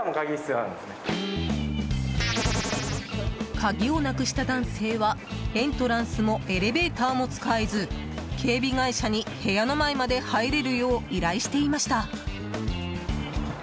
鍵をなくした男性はエントランスもエレベーターも使えず警備会社に、部屋の前まで入れるよう依頼していました。